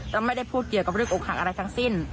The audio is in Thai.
แล้วไม่ได้พูดเกี่ยวกับเรื่องอกหักอะไรทั้งสิ้น